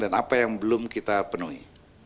dan apa yang belum kita penuhi